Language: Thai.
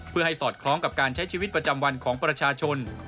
เพื่อให้สอดคล้องกับการใช้ชีวิตประจำวันของประชาชน